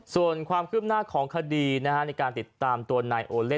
ส่วนความคืบหน้าของคดีในการติดตามตัวนายโอเล่